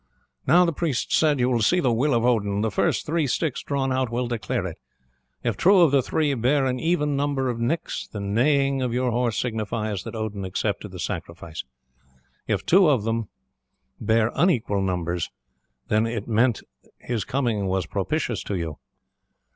"Now," the priest said, "you will see the will of Odin; the first three sticks drawn out will declare it. If two of the three bear an even number of nicks, the neigh of your horse signifies that Odin accepted the sacrifice; if two of them bear unequal numbers, then it meant that his coming was propitious to you."